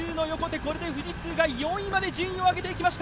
これが富士通が４位まで順位を上げていきました。